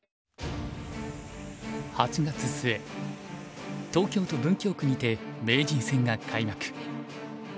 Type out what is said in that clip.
８月末東京都文京区にて名人戦が開幕。